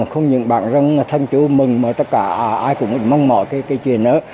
không những bạn răng thân chủ mừng mà tất cả ai cũng mong mọi cái chuyện đó